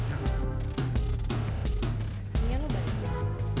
ini lu ganti aja